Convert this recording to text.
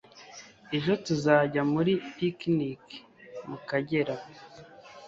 Ejo tuzajya muri picnic mu kagera